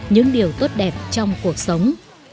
những điều tốt đẹp trong cuộc sống